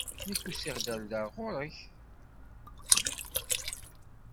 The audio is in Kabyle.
Nekk usiɣ-d ɣer da, ar ɣur-k.